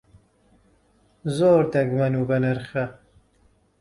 زۆر دەگمەن و بەنرخە.